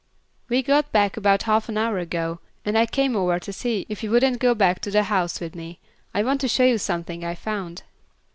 We got back about half an hour ago, and I came over to see if you wouldn't go back to the house with me. I want to show you something I found."